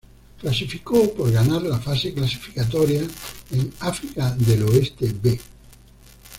Clasificó por ganar la fase clasificatoria en "África del Oeste B".